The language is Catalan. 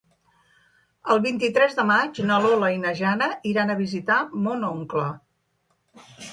El vint-i-tres de maig na Lola i na Jana iran a visitar mon oncle.